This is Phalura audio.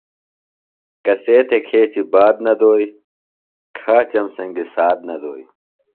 کسے تھےۡ کھیچیۡ بات نہ دوئی, کھاچم سنگیۡ ساتھ نہ دوئی